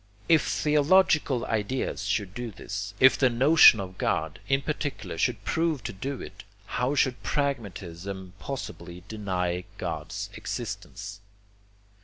If theological ideas should do this, if the notion of God, in particular, should prove to do it, how could pragmatism possibly deny God's existence?